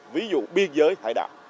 ví dụ biên giới hải đảo